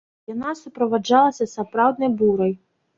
Яна суправаджалася сапраўднай бурай.